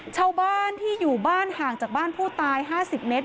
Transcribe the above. ชาวบ้านที่อยู่บ้านห่างจากบ้านผู้ตาย๕๐เมตร